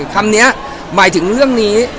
คำนี้หมายถึงเรื่องนี้